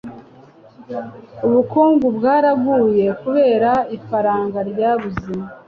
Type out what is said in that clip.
Ubukungu bwaraguye kubera ifaranga ryabuze